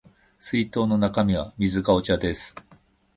水筒の中身は水かお茶です